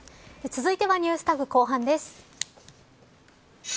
続いてはＮｅｗｓＴａｇ後半です。